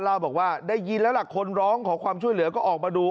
เล่าบอกว่าได้ยินแล้วล่ะคนร้องขอความช่วยเหลือก็ออกมาดู